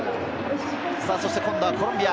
そして今度はコロンビア。